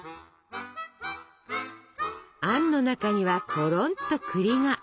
あんの中にはころんと栗が。